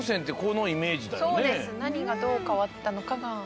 なにがどうかわったのかが。